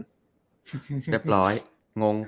เรียบร้อยงง